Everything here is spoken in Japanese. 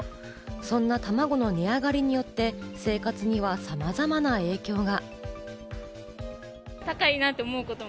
そんなたまごの値上がりによって、生活には様々な影響が。